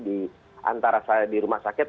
di antara saya di rumah sakit